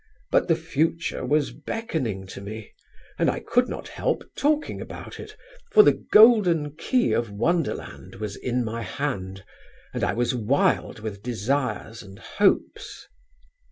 But the future was beckoning to me, and I could not help talking about it, for the golden key of wonderland was in my hand, and I was wild with desires and hopes.